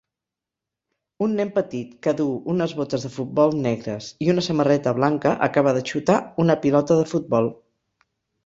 Un nen petit que duu unes botes de futbol negres i una samarreta blanca acaba de xutar una pilota de futbol